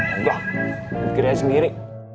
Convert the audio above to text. enggak mikir aja sendiri